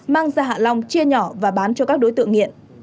mang ra hạ long chia nhỏ và bán cho các đối tượng nghiện